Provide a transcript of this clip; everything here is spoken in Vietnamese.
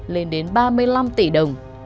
lên đến ba mươi năm tỷ đồng